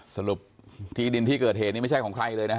สรุปที่ดินพี่เกิดเหตุมันใช่ของใครเลยนะครับ